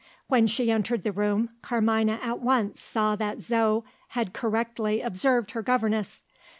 When she entered the room, Carmina at once saw that Zo had correctly observed her governess.